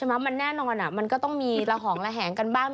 มันแน่นอนมันก็ต้องมีระหองระแหงกันบ้าง